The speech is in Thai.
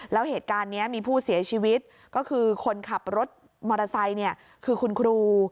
แล้วเหตุการณ์นี้มีผู้เสียชีวิตก็คือคนขับรถมอเตอร์ไซค์คือคุณครู